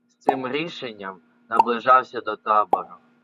З цим рішенням наближався до табору.